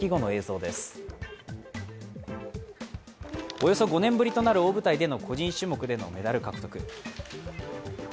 およそ５年ぶりとなる大舞台での個人種目のメダル獲得。